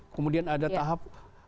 kemudian ada tahap